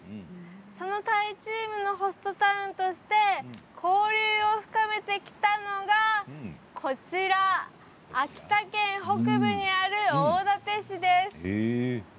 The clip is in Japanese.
そのタイチームのホストタウンとして交流を深めてきたのがこちら、秋田県北部にある大館市です。